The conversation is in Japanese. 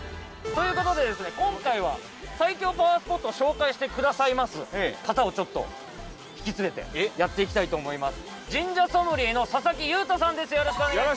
今回は最強パワースポットを紹介してくれる方を引き連れてやっていきたいと思います。